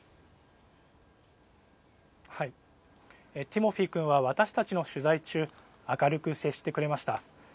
ティモフィ君は私たちの取材中明るく接してくれました。